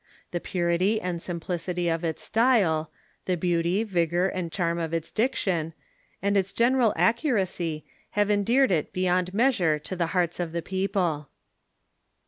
The purity and sim plicity of its style, the beauty, vigor, and charm of its diction, and its general accuracy, have endeared it beyond measure to the hearts of the people.